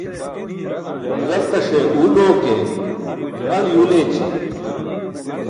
Guyltaṣe uul oo ke, mal yuul eećiyen.